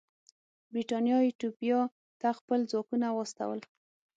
برېټانیا ایتوپیا ته خپل ځواکونه واستول.